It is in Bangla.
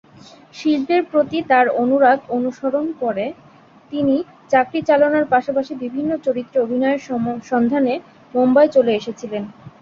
শিল্পের প্রতি তাঁর অনুরাগ অনুসরণ করে, তিনি চাকরি চালানোর পাশাপাশি বিভিন্ন চরিত্রে অভিনয়ের সন্ধানে মুম্বই চলে এসেছিলেন।